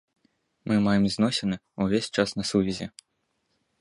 Мы маем зносіны, увесь час на сувязі.